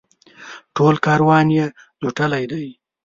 ټول کاروان یې لوټلی دی.